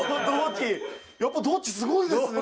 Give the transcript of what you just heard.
やっぱ同期すごいですね